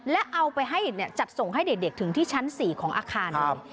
และเอาไปให้จัดส่งให้เด็กถึงที่ชั้น๔ของอาคารเลย